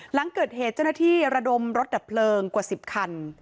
หลังเกิดเหตุเจ้าหน้าที่ระดมรถดับเพลิงกว่า๑๐คัน